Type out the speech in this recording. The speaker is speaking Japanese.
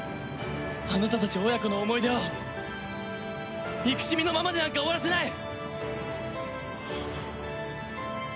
あなたたち親子の思い出を憎しみのままでなんか終わらせない！